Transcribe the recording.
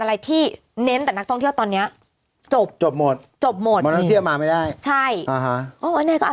แล้วก็มาขายออนไลน์เอากำไรก็ได้เป็นพื้น